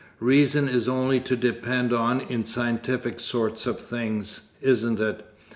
Reason is only to depend on in scientific sorts of things, isn't it?